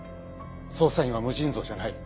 捜査員は無尽蔵じゃない。